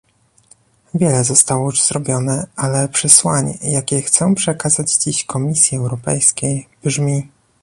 Wiele zostało już zrobione, ale przesłanie, jakie chcę przekazać dziś Komisji Europejskiej, brzmi